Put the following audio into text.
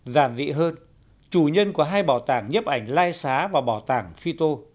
giản dị hơn chủ nhân của hai bảo tàng nhấp ảnh lai xá và bảo tàng phi tô